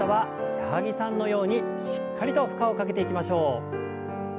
矢作さんのようにしっかりと負荷をかけていきましょう。